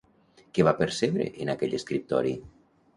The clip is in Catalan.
Què va percebre en aquell escriptori?